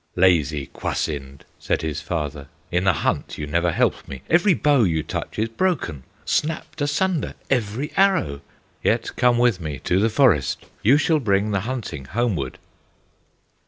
"Lazy Kwasind!" said his father, "In the hunt you never help me; Every bow you touch is broken, Snapped asunder every arrow; Yet come with me to the forest, You shall bring the hunting homeward."